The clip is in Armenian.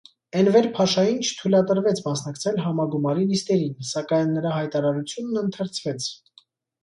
Էնվեր փաշային չթույլատրվեց մասնակցել համագումարի նիստերին, սակայն նրա հայտարարությունն ընթերցվեց։